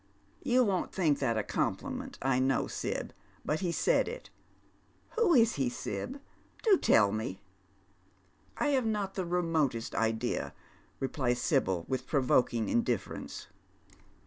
You v/on't think that a compliment, I know, Sib, but he said it. Who is he, Sib ? Do tell me." " I have not the remotest idea," replies Sibyl, with provoking indifference.